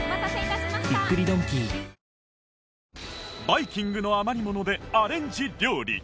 バイキングの余り物でアレンジ料理